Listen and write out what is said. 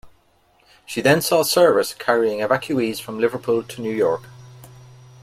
She then saw service carrying evacuees from Liverpool to New York.